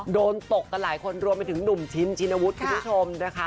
ตกกันหลายคนรวมไปถึงหนุ่มชินชินวุฒิคุณผู้ชมนะคะ